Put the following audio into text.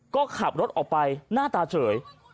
ก็ขับรถออกไปหน้าตาเฉย